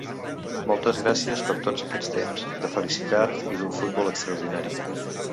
Moltes gràcies per tots aquest temps de felicitat i d’un futbol extraordinari.